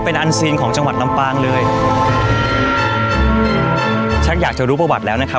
เป็นอันซีนของจังหวัดลำปางเลยฉันอยากจะรู้ประวัติแล้วนะครับ